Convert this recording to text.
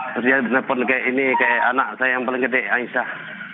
terus dia menelpon kayak ini kayak anak saya yang paling gede aisyah